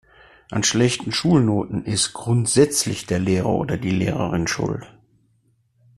An schlechten Schulnoten ist grundsätzlich der Lehrer oder die Lehrerin schuld.